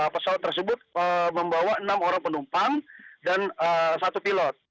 pesawat tersebut membawa enam orang penumpang dan satu pilot